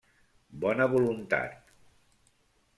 Bona Voluntat.